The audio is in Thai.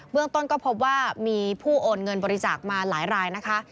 เรื่องต้นก็พบว่ามีผู้โอนเงินบริจาคมาหลายรายนะคะ